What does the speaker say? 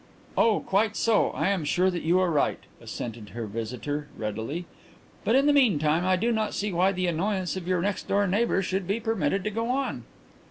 "Oh, quite so; I am sure that you are right," assented her visitor readily. "But in the meanwhile I do not see why the annoyance of your next door neighbour should be permitted to go on."